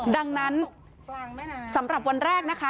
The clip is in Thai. ดังนั้นสำหรับวันแรกนะคะ